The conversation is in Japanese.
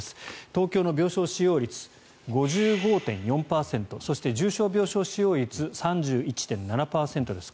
東京の病床使用率５５．４％そして、重症病床使用率３１．７％です。